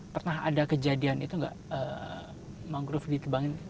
pernah ada kejadian itu nggak mangrove ditebangin